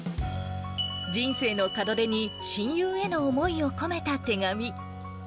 人生の門出に、親友への思いを込めた手紙。